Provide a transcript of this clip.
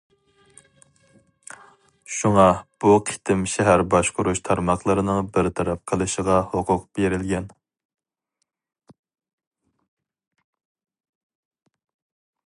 شۇڭا بۇ قېتىم شەھەر باشقۇرۇش تارماقلىرىنىڭ بىر تەرەپ قىلىشىغا ھوقۇق بېرىلگەن.